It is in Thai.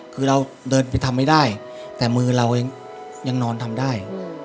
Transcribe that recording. คือเราเดินไปทำไม่ได้แต่มือเรายังนอนทำได้